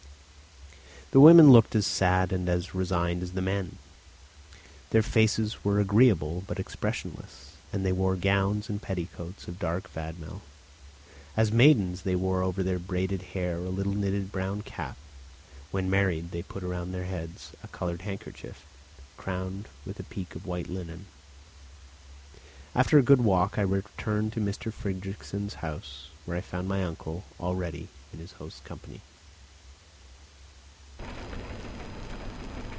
The women looked as sad and as resigned as the men; their faces were agreeable but expressionless, and they wore gowns and petticoats of dark 'vadmel'; as maidens, they wore over their braided hair a little knitted brown cap; when married, they put around their heads a coloured handkerchief, crowned with a peak of white linen. After a good walk I returned to M. Fridrikssen's house, where I found my uncle already in his host's company.